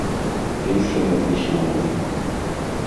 Іншага быць не можа.